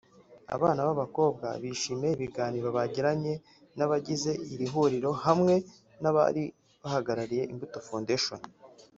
Abana b'abakobwa bishimiye ibiganiro bagiranye n'abagize iri huriro hamwe n'abari bahagarariye Imbuto Foundation